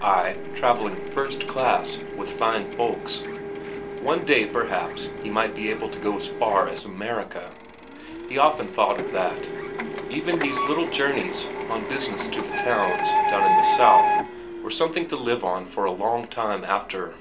Ay, travelling first class, with fine folks. One day, perhaps, he might be able to go as far as America he often thought of that. Even these little journeys on business to the towns down in the south were something to live on for a long time after.